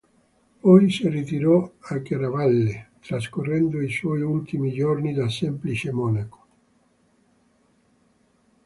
Poi si ritirò a Chiaravalle, trascorrendo i suoi ultimi giorni da semplice monaco.